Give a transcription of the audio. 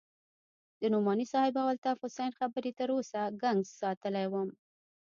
د نعماني صاحب او الطاف حسين خبرې تر اوسه گنگس ساتلى وم.